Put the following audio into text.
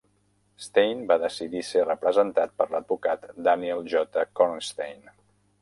Steyn va decidir ser representat per l'advocat Daniel J. Kornstein.